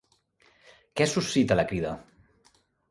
Què suscita la Crida?